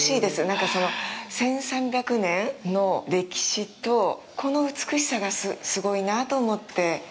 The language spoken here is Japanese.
なんか、その１３００年の歴史と、この美しさがすごいなぁと思って。